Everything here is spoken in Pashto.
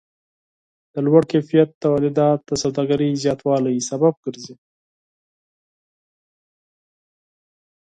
د لوړ کیفیت تولیدات د سوداګرۍ زیاتوالی سبب ګرځي.